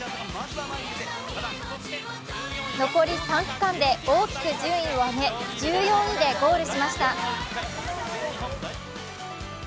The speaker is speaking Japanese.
残り３区間で大きく順位を上げ１４位でゴールしました。